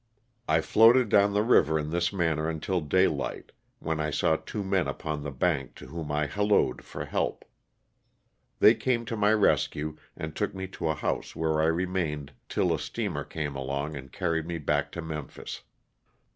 I floated down the 174 LOSS OF THE SULTANA. river in this manner until daylight, when I saw two men upon the bank to whom I hallooed for help. They came to my rescue and took me to a house where I remained till a steamer came along and carried me back to Memphis.